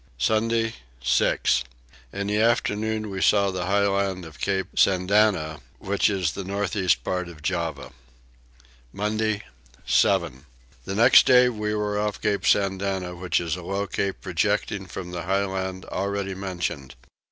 Sunday 6. In the afternoon we saw the high land of Cape Sandana, which is the north east part of Java. Monday 7. The next day we were off cape Sandana which is a low cape projecting from the high land already mentioned.